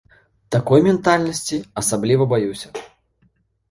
Такой ментальнасці асабліва баюся.